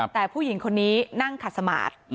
แต่ผู้หญิงคนนี้นั่งขัดสมาธิ